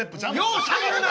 ようしゃべるな！